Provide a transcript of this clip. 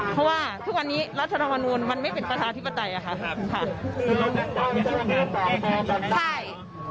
เพราะว่าทุกวันนี้รัฐธรรมนูลมันไม่เป็นประชาธิปไตยอะค่ะ